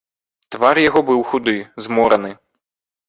Твар яго быў худы, змораны.